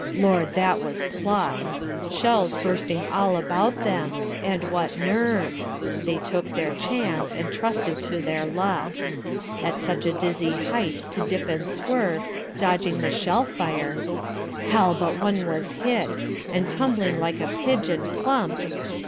Lord, that was pluck Shells bursting all about them and what nerve! They took their chance, and trusted to their luck. At such a dizzy height to dip and swerve, Dodging the shell fire.... Hell! but one was hit, And tumbling like a pigeon, plump....